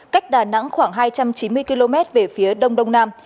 cách đà nẵng khoảng hai trăm chín mươi km về phía đông đông nam